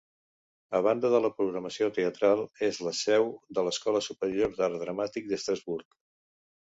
A banda de la programació teatral, és la seu de l'Escola Superior d'Art Dramàtic d'Estrasburg.